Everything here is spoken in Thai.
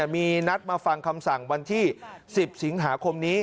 มีนัดมาฟังคำสั่งวันที่๑๐สิงหาคมนี้